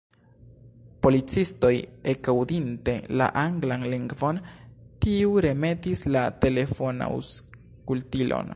Policistoj, ekaŭdinte la anglan lingvon, tuj remetis la telefonaŭskultilon.